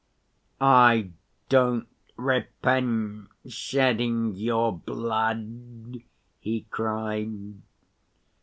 "I don't repent shedding your blood!" he cried.